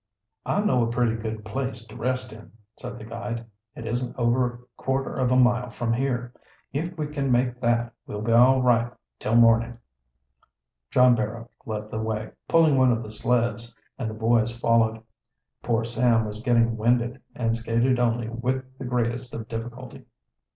"I know a pretty good place to rest in," said the guide. "It isn't over quarter of a mile from here. If we can make that we'll be all right till mornin'." John Barrow led the way, pulling one of the sleds, and the boys followed. Poor Sam was getting winded and skated only with the greatest of difficulty.